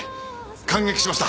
感激しました！